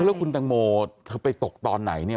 แล้วคุณตังโมเธอไปตกตอนไหนเนี่ย